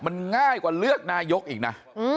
มันง่ายกว่าเลือกนายกอีกนะ